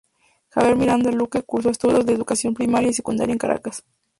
Javier Miranda-Luque cursó estudios de educación primaria y secundaria en Caracas.